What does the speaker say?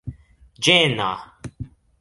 ĝena